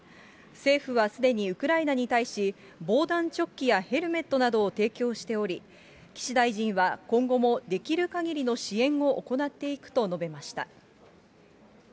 政府はすでにウクライナに対し、防弾チョッキやヘルメットなどを提供しており、岸大臣は今後もできるかぎりの支援を行っていくと述べました。